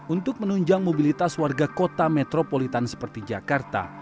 untuk menunjang mobilitas warga kota metropolitan seperti jakarta